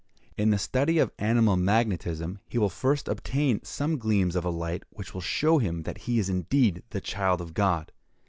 In the study of animal magnetism, he will first obtain some gleams of a light which will show him that he is indeed the child of God!